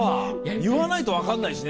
言わないと分かんないしね。